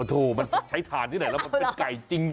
โถมันใช้ถ่านที่ไหนแล้วมันเป็นไก่จริง